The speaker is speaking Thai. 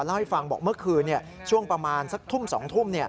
เล่าให้ฟังบอกเมื่อคืนช่วงประมาณสักทุ่ม๒ทุ่ม